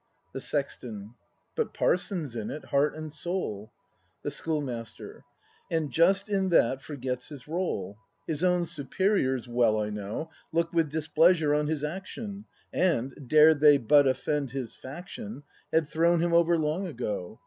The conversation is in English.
The Sexton. But Parson's in it, heart and soul. The Schoolmaster. And just in that forgets his role. His own superiors, well I know, Look with displeasure on his action, And, dared they but offend his faction, Had thrown him over long ago.